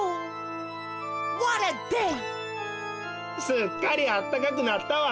すっかりあったかくなったわ！